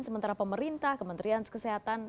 sementara pemerintah kementerian kesehatan